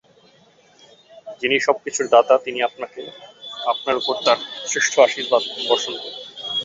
যিনি সব কিছুর দাতা, তিনি আপনার উপর তাঁর শ্রেষ্ঠ আশীর্বাদ বর্ষণ করুন।